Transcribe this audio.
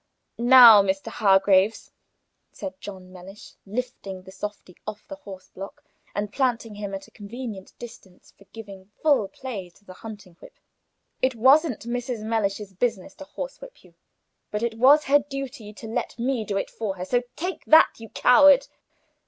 "Now, Mr. Hargraves," said John Mellish, lifting the softy off the horse block and planting him at a convenient distance for giving full play to the hunting whip, "it was n't Mrs. Mellish's business to horsewhip you, but it was her duty to let me do it for her; so take that, you coward."